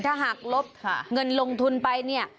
ถ้าหากลบเงินลงทุนไปเนี่ย